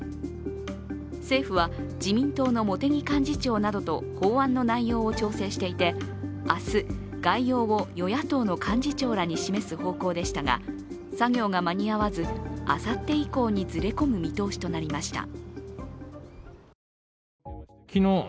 政府は自民党の茂木幹事長などと法案の内容を調整していて明日、概要を与野党の幹事長らに示す方向でしたが、作業が間に合わず、あさって以降にずれ込む見通しとなりました。